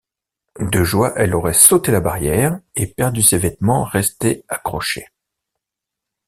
De joie, elle aurait sauté la barrière et perdu ses vêtements restés accrochés.